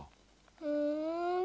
ふん。